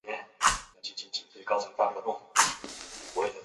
圣维森特和文托萨是葡萄牙波塔莱格雷区的一个堂区。